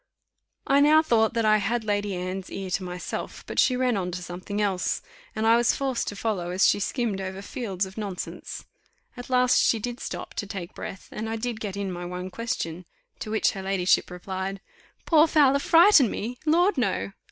I now thought that I had Lady Anne's ear to myself; but she ran on to something else, and I was forced to follow as she skimmed over fields of nonsense. At last she did stop to take breath, and I did get in my one question: to which her ladyship replied, "Poor Fowler frighten me? Lord! No.